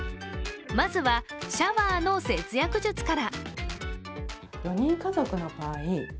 まずは、シャワーの節約術から。